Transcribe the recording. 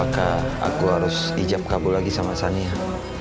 kamu harus ijab kabur lagi sama saniyah